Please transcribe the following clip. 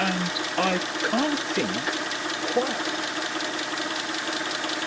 And I can't think why!